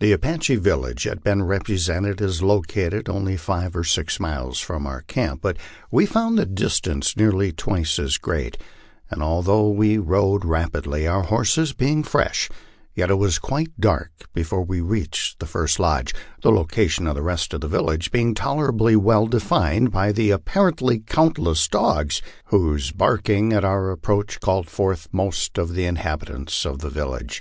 rrillE Apache village had been represented as located only five or six miles* I from our camp, but we found the distance nearly twice as great ; and al though we rode rapidly, our horses being fresh, yet it was quite dark before we reached the first lodge, the location of the rest of the village being tolera bly well defined by the apparently countless dogs, whose barking at our ap proach called forth most of the inhabitants of the village.